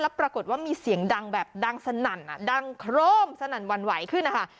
ปรากฏว่ามีเสียงดังแบบดังสนั่นดังโครมสนั่นหวั่นไหวขึ้นนะคะ